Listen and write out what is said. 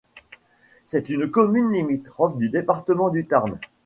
C'est une commune limitrophe du département du Tarn.